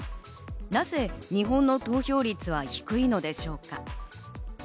なぜ日本の投票率は低いのでしょうか。